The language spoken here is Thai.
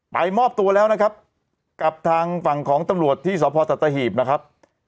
มอบตัวแล้วนะครับกับทางฝั่งของตำรวจที่สพสัตหีบนะครับ